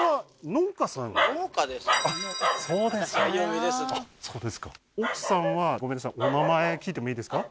ええーあっそうですか奥さんはごめんなさいお名前聞いてもいいですか？